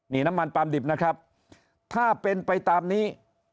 นี่น้ำมันปลามดิบนะครับถ้าเป็นไปตามนี้